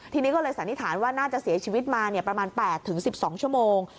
ทีนี้ก็เลยสันนิษฐานว่าน่าจะเสียชีวิตมาประมาณ๘๑๒ชั่วโมง